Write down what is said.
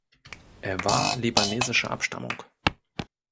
Er war libanesischer Abstammung.